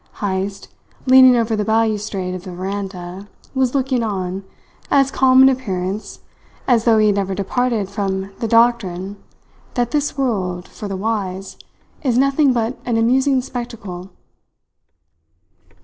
Heyst, leaning over the balustrade of the veranda, was looking on, as calm in appearance as though he had never departed from the doctrine that this world, for the wise, is nothing but an amusing spectacle.